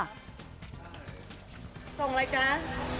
ส่งอะไรจ๊ะส่งอาหาร